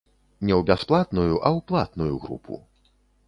Не ў бясплатную, а ў платную групу.